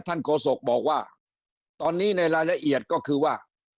โฆษกบอกว่าตอนนี้ในรายละเอียดก็คือว่า